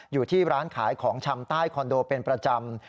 อยู่ที่ร้านขายของชำใต้คอนโดเป็นประจำ